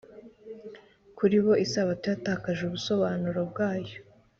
kuri bo isabato yatakaje ubusobanuro bwayo